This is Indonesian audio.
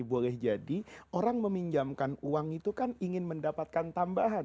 boleh jadi orang meminjamkan uang itu kan ingin mendapatkan tambahan